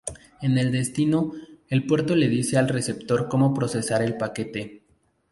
En el destino, el puerto le dice al receptor cómo procesar el paquete.